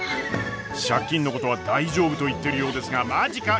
借金のことは大丈夫と言ってるようですがマジか？